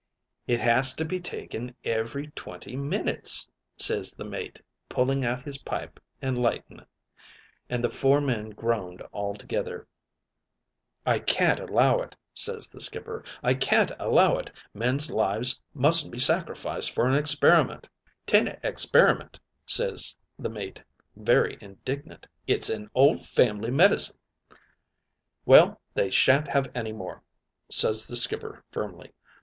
"'It has to be taken every twenty minutes,' ses the mate, pulling out his pipe and lighting it; an' the four men groaned all together. "'I can't allow it,' ses the skipper, 'I can't allow it. Men's lives mustn't be sacrificed for an experiment.' "''Tain't a experiment,' ses the mate very indignant, 'it's an old family medicine.' "'Well, they shan't have any more,' ses the skipper firmly.